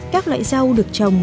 các loại rau được trồng